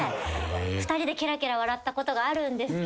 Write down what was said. ２人でケラケラ笑ったことがあるんですけど。